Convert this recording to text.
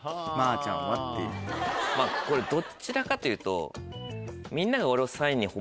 これどちらかというと。